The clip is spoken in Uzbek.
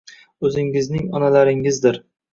o'zingizning onalaringizdir.